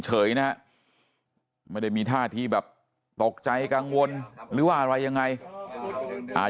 เฉยนะไม่ได้มีท่าทีแบบตกใจกังวลหรือว่าอะไรยังไง